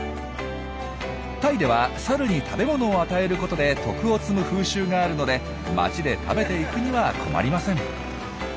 タイではサルに食べ物を与えることで徳を積む風習があるので街で食べていくには困りません。